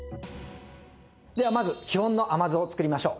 ではまず基本の甘酢を作りましょう。